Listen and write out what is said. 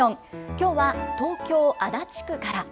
きょうは東京足立区から。